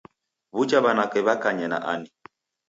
W'uja w'anake w'akanye na ani?